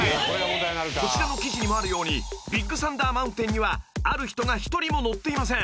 ［こちらの記事にもあるようにビッグサンダー・マウンテンにはある人が１人も乗っていません］